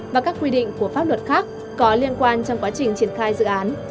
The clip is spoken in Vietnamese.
và các quy định của pháp luật khác có liên quan trong quá trình triển khai dự án